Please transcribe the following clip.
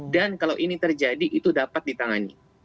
dan kalau ini terjadi itu dapat ditangani